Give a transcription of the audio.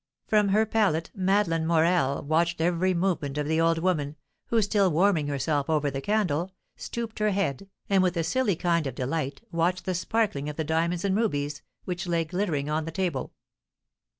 From her pallet Madeleine Morel watched every movement of the old woman, who, still warming herself over the candle, stooped her head, and with a silly kind of delight watched the sparkling of the diamonds and rubies, which lay glittering on the table.